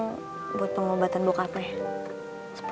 uang buat pengobatan bokape